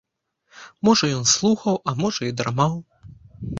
Можа ён слухаў, а можа і драмаў.